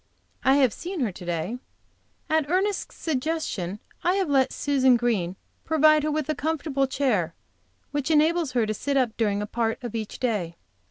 I have seen her to day. At Ernest's suggestion I have let Susan Green provide her with a comfortable chair which enables her to sit up during a part of each day.